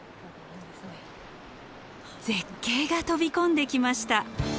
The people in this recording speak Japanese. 絶景が飛び込んできました。